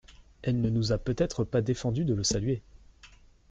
Elle ne nous a peut-être pas défendu de le saluer !